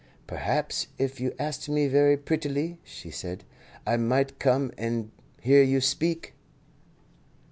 "Perhaps if you asked me very prettily," she said, "I might come and hear you speak."